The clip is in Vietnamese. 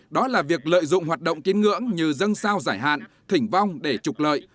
đó là việc lợi dụng hoạt động tiến ngưỡng như dân sao giải hạn thỉnh vong để trục lợi